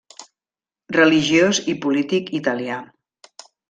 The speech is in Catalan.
Religiós i polític italià.